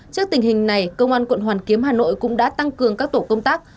trước tình hình này công an quận hoàn kiếm hà nội cũng đã tăng cường các tổ công tác